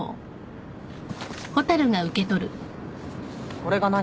これが何？